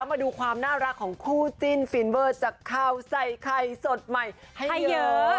มาดูความน่ารักของคู่จิ้นฟินเวอร์จากข้าวใส่ไข่สดใหม่ให้เยอะ